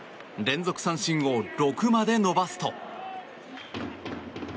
連続三振を６まで伸ばすと。